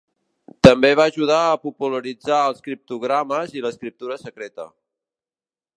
També va ajudar a popularitzar els criptogrames i l'escriptura secreta.